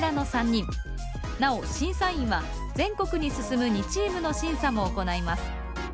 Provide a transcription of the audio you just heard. なお審査員は全国に進む２チームの審査も行います。